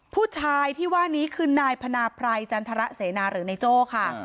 ผู้ชายที่ว่านี้คือนายพนาไพรจันทรเสนาหรือนายโจ้ค่ะ